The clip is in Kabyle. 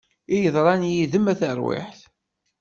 I yeḍran yid-m a tarwiḥt!